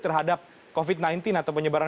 terhadap covid sembilan belas atau penyebaran